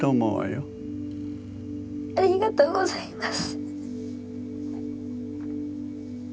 ありがとうございます。